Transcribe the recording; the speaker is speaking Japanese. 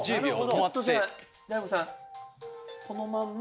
ちょっとじゃあ大悟さんこのまんま。